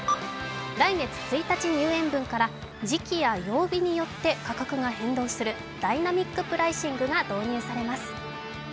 来月１日入園分から、時期や曜日によって価格が変動するダイナミックプライシングが導入されます。